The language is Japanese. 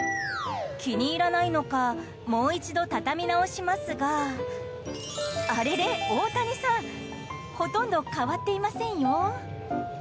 気に入らないのかもう一度たたみ直しますがあれれ、大谷さん！ほとんど変わっていませんよ。